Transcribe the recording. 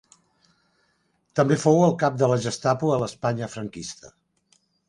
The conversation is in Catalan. També fou el cap de la Gestapo a l'Espanya franquista.